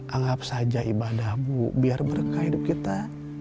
anggap saja ibadah bu biar berkah hidup kita